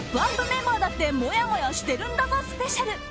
メンバーだってもやもやしてるんだぞスペシャル。